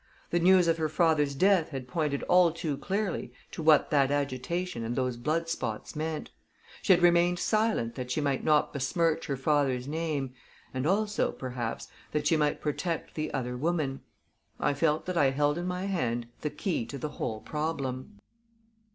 The news of her father's death had pointed all too clearly to what that agitation and those blood spots meant. She had remained silent that she might not besmirch her father's name, and also, perhaps, that she might protect the other woman. I felt that I held in my hand the key to the whole problem.